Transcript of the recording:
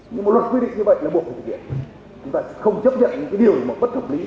nhưng mà luật quy định như vậy là buộc phải thực hiện chúng ta không chấp nhận những cái điều mà bất hợp lý